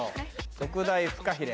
特大フカヒレ！